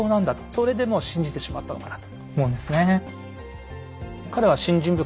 それでもう信じてしまったのかなと思うんですね。